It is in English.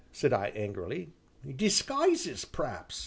said I angrily. "Disguises, p'raps!"